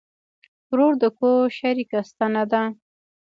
ورور د کور شریکه ستنه ده.